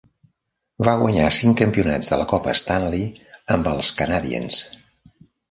Va guanyar cinc campionats de la Copa Stanley amb els Canadiens.